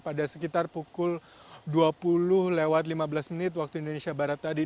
pada sekitar pukul dua puluh lewat lima belas menit waktu indonesia barat tadi